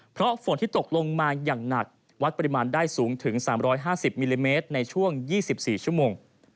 เพราะฝนที่ตกลงมาอย่างหนักวัดปริมาณได้สูงถึง๓๕๐มิลลิเมตรในช่วง๒๔ชั่วโมง